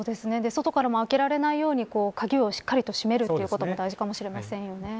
外からも開けられないように鍵を閉めることも大事かもしれませんよね。